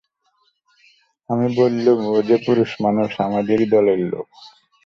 আমি বললুম, ও যে পুরুষমানুষ, আমাদেরই দলের লোক।